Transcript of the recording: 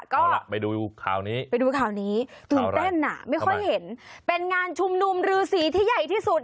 เอาล่ะก็ตื่นเต้นนะไม่ค่อยเห็นเป็นงานชุมนุมรื่อสีที่ใหญ่ที่สุด